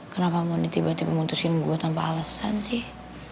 kenapa moni tiba tiba mutusin gue tanpa alasan sih